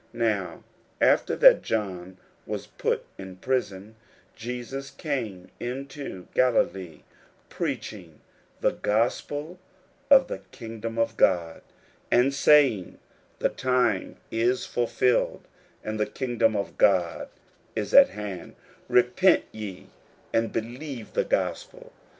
41:001:014 Now after that John was put in prison, Jesus came into Galilee, preaching the gospel of the kingdom of God, 41:001:015 And saying, The time is fulfilled, and the kingdom of God is at hand: repent ye, and believe the gospel.